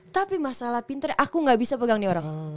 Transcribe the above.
tapi masalah pinter aku gak bisa pegang nih orang